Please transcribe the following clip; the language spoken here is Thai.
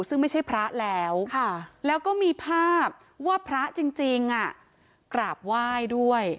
ซึ่งไม่ใช่พระแล้วแล้วก็มีภาพว่าพระจริงกราบไหว้ด้วย